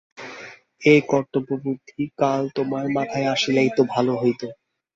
এ কর্তব্যবুদ্ধি কাল তোমার মাথায় আসিলেই তো ভালো হইত।